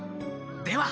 では！